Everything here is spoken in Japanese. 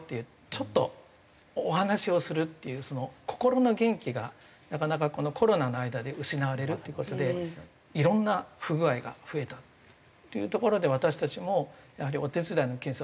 ちょっとお話をするっていう心の元気がなかなかこのコロナの間で失われるって事でいろんな不具合が増えたっていうところで私たちもやはりお手伝いの件数は増え続けまして。